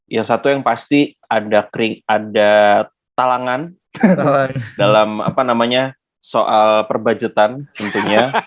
ya satu yang pasti ada talangan dalam soal perbudgetan tentunya